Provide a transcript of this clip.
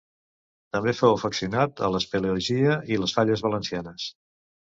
També fou afeccionat a l'espeleologia, i les falles valencianes.